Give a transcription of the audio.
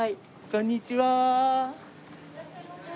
こんにちは。